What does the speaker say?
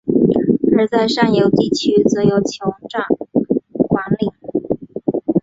而在上游地区则由酋长管领。